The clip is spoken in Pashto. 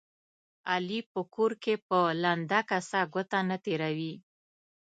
علي په کور کې په لنده کاسه ګوته نه تېروي.